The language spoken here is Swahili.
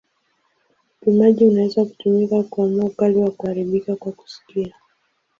Upimaji unaweza kutumika kuamua ukali wa kuharibika kwa kusikia.